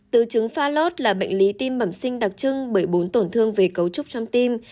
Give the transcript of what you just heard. tứ chứng pha lót là bệnh lý tim bẩm sinh đặc trưng bởi bốn tổn thương về cấu trúc trong tim